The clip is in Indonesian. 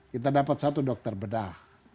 kita dapat satu dokter bedah